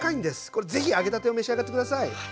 これぜひ揚げたてを召し上がって下さい。